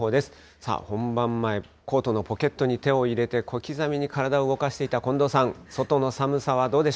さあ、本番前、コートのポケットに手を入れて、小刻みに体を動かしていた近藤さん。